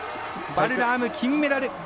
バルラーム、金メダル。